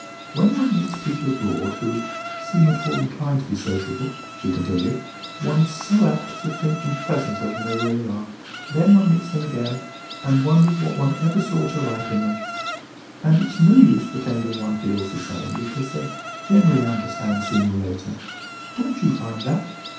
"When one meets people abroad who who seem at all inclined to be sociable," she continued, "one is so apt to think them pleasanter than they really are. Then one meets them again, and and wonders what one ever saw to like in them. And it's no use pretending one feels the same, because they generally understand sooner or later. Don't you find that?"